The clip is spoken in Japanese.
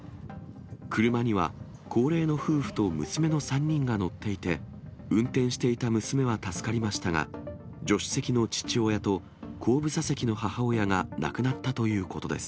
車には高齢の夫婦と娘の３人が乗っていて、運転していた娘は助かりましたが、助手席の父親と後部座席の母親が亡くなったということです。